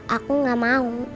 aku gak mau